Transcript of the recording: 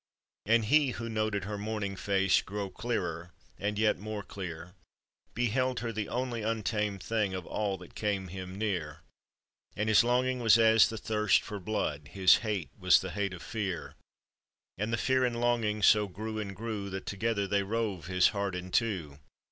And he who noted her morning face Grow clearer and yet more clear, Beheld her the only untamed thing Of all that came him near; And his longing was as the thirst for blood, His hate was the hate of fear; And the fear and longing so grew and grew, That together they rove his heart in two.